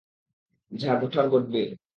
যা ঘটার ঘটবেই!